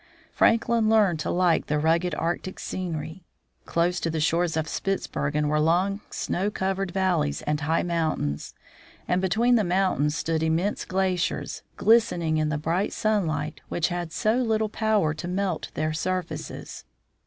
Franklin learned to like the rugged Arctic scenery. Close to the shores of Spitzbergen were long, snow covered valleys and high mountains, and between the mountains stood immense glaciers, glistening in the bright sunlight which had so little power to melt their surfaces.